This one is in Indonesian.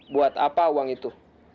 buat apa uang itu